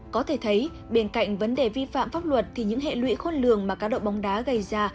có thể thấy bên cạnh vấn đề vi phạm pháp luật thì những hệ lụy khôn lường mà cá độ bóng đá gây ra